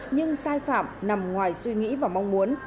nhưng sai phạm nằm ngoài suy nghĩ và mong muốn